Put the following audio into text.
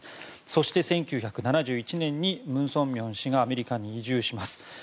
そして、１９７１年に文鮮明氏がアメリカに移住します。